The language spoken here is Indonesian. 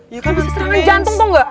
lo bisa serangan jantung tau gak